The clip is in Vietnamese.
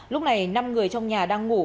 lúc này năm người trong nhà đang ngủ